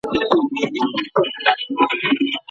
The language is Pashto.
ولي هوډمن سړی د وړ کس په پرتله لوړ مقام نیسي؟